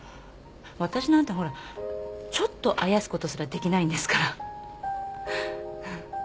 私なんてほらちょっとあやすことすらできないんですから。